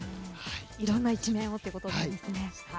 いろんな一面をということですね。